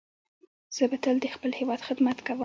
زه به تل د خپل هیواد خدمت کوم.